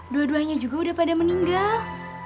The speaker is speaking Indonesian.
dua duanya juga udah pada meninggal